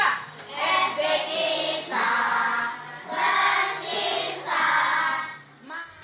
sd kita mencipta